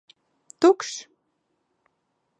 Tukšs!